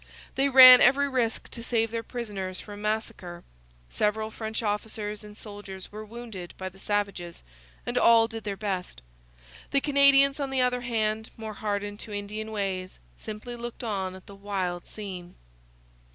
They ran every risk to save their prisoners from massacre. Several French officers and soldiers were wounded by the savages, and all did their best. The Canadians, on the other hand, more hardened to Indian ways, simply looked on at the wild scene.